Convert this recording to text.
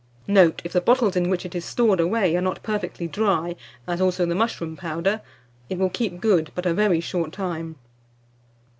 Note. If the bottles in which it is stored away are not perfectly dry, as, also the mushroom powder, it will keep good but a very short time.